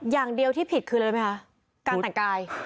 อย่างเดียวที่ผิดคืออะไรไหมคะการแต่งกาย